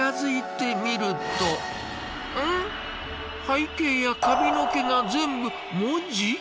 背景や髪の毛が全部文字！？